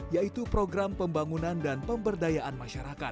yaitu program pembangunan dan pemberdayaan masyarakat